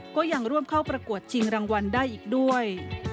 ก็ยังร่วมเข้าประกวดชิงรางวัลได้อีกด้วย